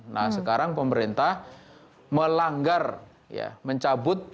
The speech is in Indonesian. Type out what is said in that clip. nah sekarang pemerintah melanggar ya mencabut